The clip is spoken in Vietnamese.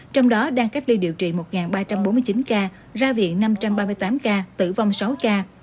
trong đó đang cách ly điều trị một ba trăm bốn mươi chín ca ra viện năm trăm ba mươi tám ca tử vong sáu ca